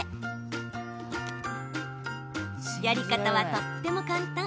やり方はとっても簡単。